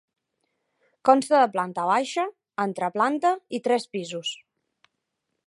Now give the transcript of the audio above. Consta de planta baixa, entreplanta i tres pisos.